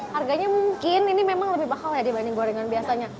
harganya mungkin ini memang lebih mahal ya dibanding gorengan biasanya